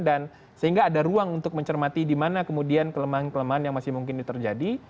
dan sehingga ada ruang untuk mencermati di mana kemudian kelemahan kelemahan yang masih mungkin terjadi